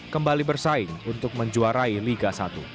kembali bersaing untuk menjuarai liga satu